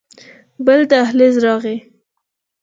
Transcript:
بل دهليز راغى.